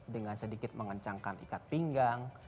dengan sedikit mengencangkan ikat pinggang